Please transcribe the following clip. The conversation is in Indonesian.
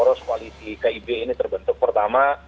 poros koalisi kib ini terbentuk pertama